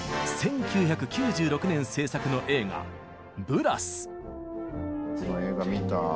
１９９６年製作の映画「ブラス！」。